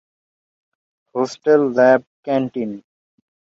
Hostel, lab, canteen.